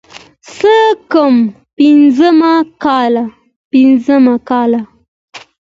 څه کم پينځه کاله.